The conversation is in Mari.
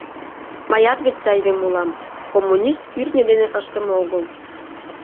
Мыят вет айдеме улам, коммунист кӱртньӧ дене ыштыме огыл.